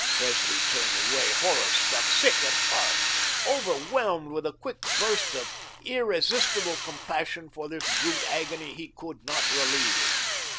Presley turned away, horror struck, sick at heart, overwhelmed with a quick burst of irresistible compassion for this brute agony he could not relieve.